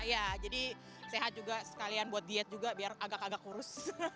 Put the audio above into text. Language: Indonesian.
ya jadi sehat juga sekalian buat diet juga biar agak agak kurus